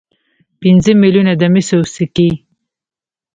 پنځه میلیونه د مسو سکې.